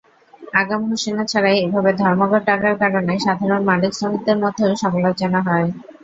আগাম ঘোষণা ছাড়াই এভাবে ধর্মঘট ডাকার কারণে সাধারণ মালিক-শ্রমিকদের মধ্যেও সমালোচনা হয়।